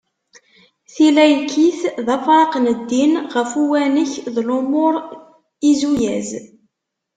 Tilaykit d afraq n ddin ɣef uwanek d lumuṛ izuyaz.